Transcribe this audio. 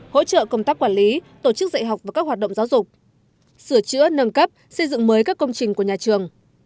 hỗ trợ công tác quản lý tổ chức dạy học và các hoạt động giáo dục sửa chữa nâng cấp xây dựng mới các công trình của nhà trường